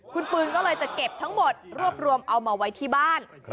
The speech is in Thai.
คุณปืนก็เลยจะเก็บทั้งหมดรวบรวมเอามาไว้ที่บ้าน